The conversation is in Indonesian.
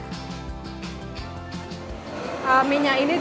gurih kaldunya juga sangat meresap dan terasa